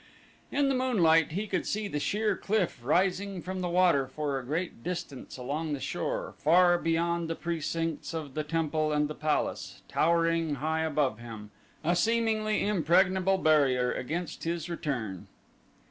In the moonlight he could see the sheer cliff rising from the water for a great distance along the shore far beyond the precincts of the temple and the palace towering high above him, a seemingly impregnable barrier against his return.